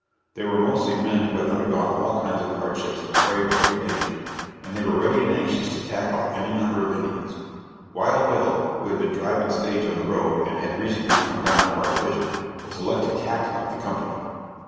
They were mostly men who had undergone all kinds of hardships and braved every danger, and they were ready and anxious to "tackle" any number of Indians. Wild Bill (who had been driving stage on the road and had recently come down to our division) was elected captain of the company.